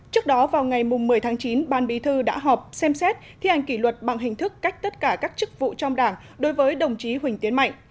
trước đó vào ngày một mươi tháng chín ban bí thư đã họp xem xét thi hành kỷ luật bằng hình thức cách tất cả các chức vụ trong đảng đối với đồng chí huỳnh tiến mạnh